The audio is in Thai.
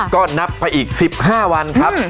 ก็นับไปอีก๑๕วัน